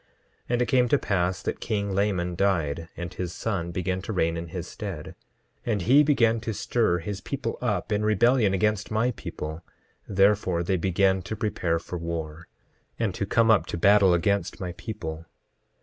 10:6 And it came to pass that king Laman died, and his son began to reign in his stead. And he began to stir his people up in rebellion against my people; therefore they began to prepare for war, and to come up to battle against my people.